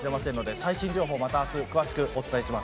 最新情報を、また明日も詳しくお伝えします。